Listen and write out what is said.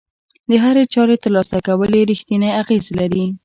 د هرې چارې ترسره کول يې رېښتینی اغېز لري.